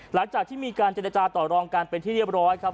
หลังจากที่มีการเจรจาต่อรองกันเป็นที่เรียบร้อยครับ